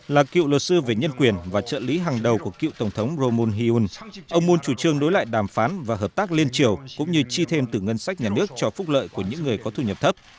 là cựu luật sư về nhân quyền và trợ lý hàng đầu của cựu tổng thống romon heun ông muốn chủ trương đối lại đàm phán và hợp tác liên triều cũng như chi thêm từ ngân sách nhà nước cho phúc lợi của những người có thu nhập thấp